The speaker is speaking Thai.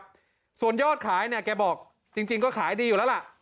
ดูส่วนยอดขายแบบบอกจริงก็ขายดีอยู่แล้วล่ะ